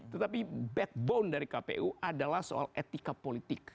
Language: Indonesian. tetapi backbone dari kpu adalah soal etika politik